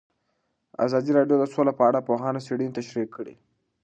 ازادي راډیو د سوله په اړه د پوهانو څېړنې تشریح کړې.